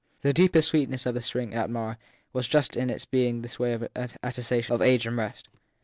The deepest sweetness of the spring at Marr was just in its being in this way an attestation of age and rest.